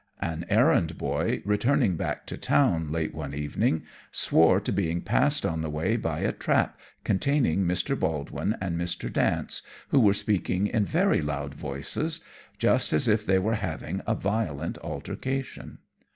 An errand boy, returning back to town, late one evening, swore to being passed on the way by a trap containing Mr. Baldwin and Mr. Dance, who were speaking in very loud voices just as if they were having a violent altercation.